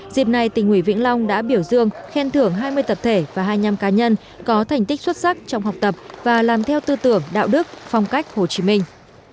dịp này tỉnh ủy vĩnh long đã biểu dương khen thưởng hai mươi tập thể và hai mươi năm cá nhân có thành tích xuất sắc trong học tập và làm theo tư tưởng đạo đức phong cách hồ chí minh